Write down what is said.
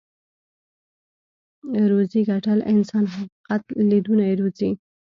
روزي ګټل انسان حقيقت ليدونی روزي.